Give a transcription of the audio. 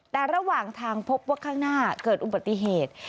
แต่ระหว่างทางพบว่าข้างหน้าเกิดอุบัติเหตุ